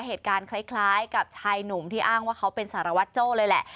เหตุการณ์คล้ายกับชายหนุ่มที่อ้างว่าเขาเป็นสารวัตรโจ้เลยแหละ